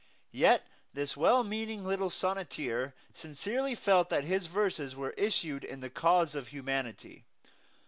Yet this well meaning little sonneteer sincerely felt that his verses were issued in the cause of humanity.